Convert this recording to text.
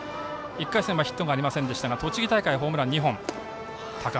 １回戦はヒットがありませんでしたが栃木大会ホームラン２本。